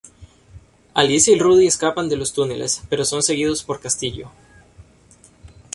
Alicia y Rudy escapan de los túneles, pero son seguidos por Castillo.